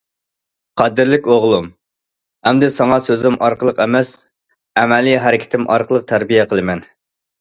قەدىرلىك ئوغلۇم، ئەمدى ساڭا سۆزۈم ئارقىلىق ئەمەس، ئەمەلىي ھەرىكىتىم ئارقىلىق تەربىيە قىلىمەن.